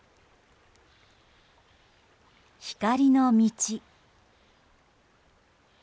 光の道。